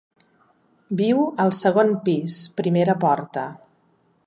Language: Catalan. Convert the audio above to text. Viu al segon pis, primera porta.